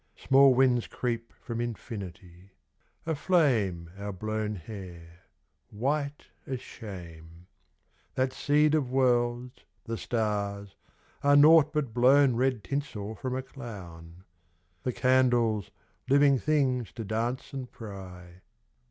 Small winds creep from Infinity. ... A flame Our blown hair, white as shame. That seed of worlds, the stars, are nought but blown Red tinsel from a Clown ; The candles, living things to dance and pry.